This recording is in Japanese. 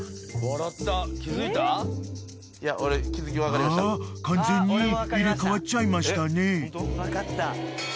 ［あ完全に入れ替わっちゃいましたね］